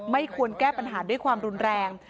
ไม่ควรแก้ปัญหาด้วยความรุนแรง